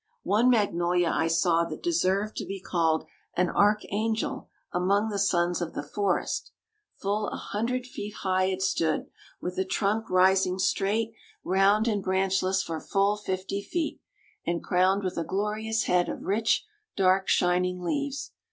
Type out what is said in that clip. One magnolia I saw that deserved to be called an archangel among the sons of the forest. Full a hundred feet high it stood, with a trunk rising straight, round, and branchless for full fifty feet, and crowned with a glorious head of rich, dark, shining leaves.